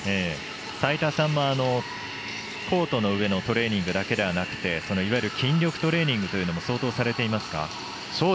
齋田さんもコートの上のトレーニングだけではなくていわゆる筋力トレーニングというのも相当されていますか？